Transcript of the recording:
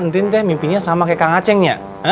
ente teh mimpinya sama kaya kang acehnya